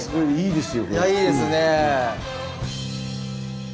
いやいいですね。